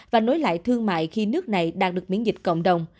và nối lại thương mại khi nước này đạt được miễn dịch cộng đồng